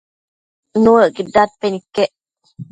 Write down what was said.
Nuëcquid dadpen iquec